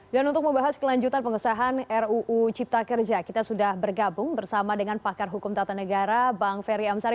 dan untuk membahas kelanjutan pengesahan ruu cipta kerja kita sudah bergabung bersama dengan pakar hukum tata negara bang ferry amsari